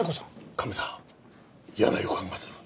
カメさん嫌な予感がする。